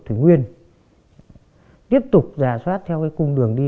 tiếng trước có một cái bạn đi